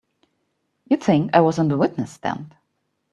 You'd think I was on the witness stand!